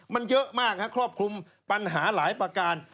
มันเยอะมากครอบคลุมปัญหาหลายประการ